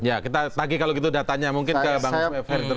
ya kita lagi kalau gitu datanya mungkin ke bang sumever